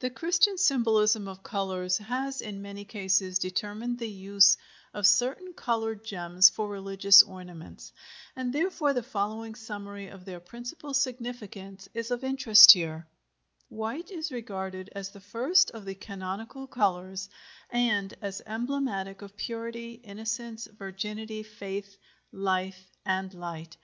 The Christian symbolism of colors has in many cases determined the use of certain colored gems for religious ornaments, and therefore the following summary of their principal significance is of interest here: WHITE is regarded as the first of the canonical colors, and as emblematic of purity, innocence, virginity, faith, life, and light.